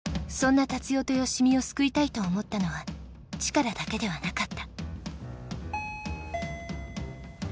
そんな達代と好美を救いたいと思ったのはチカラだけではなかった。